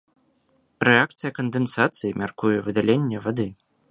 Рэакцыя кандэнсацыі мяркуе выдаленне вады.